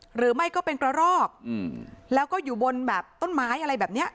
หรือไม่ก็เป็นกระรอกแล้วก็อยู่บนแบบต้นไม้อะไรแบบเนี้ย